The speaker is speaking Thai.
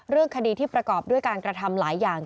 เรื่องคดีที่ประกอบด้วยการกระทำหลายอย่าง